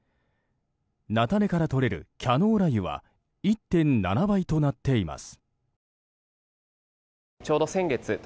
菜種からとれるキャノーラ油は１．７倍となっています。